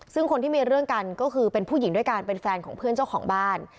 ซึ่งคนที่มีเรื่องกันก็คือเป็นผู้หญิงด้วยกันเป็นแฟนของเพื่อนเจ้าของบ้าน